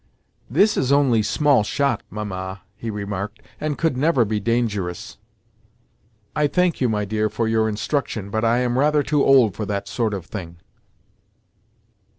"This is only small shot, Mamma," he remarked, "and could never be dangerous." "I thank you, my dear, for your instruction, but I am rather too old for that sort of thing."